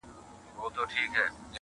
د قلمونو کتابونو کیسې؛